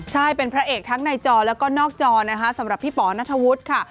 ใช่เป็นพระเอกทั้งในจอแล้วก็นอกจอนะคะสำหรับพี่ป๋อนัทธวุฒิค่ะ